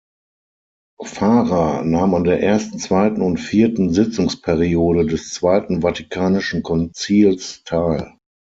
Farah nahm an der ersten, zweiten und vierten Sitzungsperiode des Zweiten Vatikanischen Konzils teil.